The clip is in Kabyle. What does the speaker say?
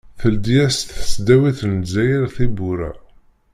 Teldi-as-d tesdawit n Lezzayer tiwwura.